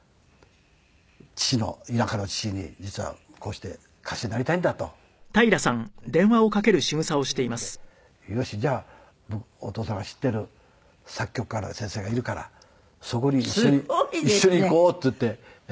田舎の父に実は歌手になりたいんだと言うと父が二つ返事で「よし。じゃあお父さんが知っている作曲家の先生がいるからそこに一緒に行こう」って言って。